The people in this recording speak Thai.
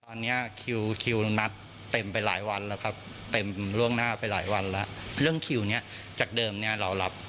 ตอนนี้คิวนัดเต็มไปหลายวันแล้วครับ